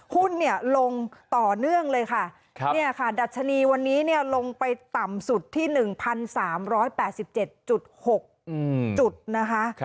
หุ้นเนี่ยลงต่อเนื่องเลยค่ะดัชนีวันนี้ลงไปต่ำสุดที่๑๓๘๗๖จุดนะคะ